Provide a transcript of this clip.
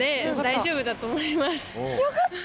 よかった！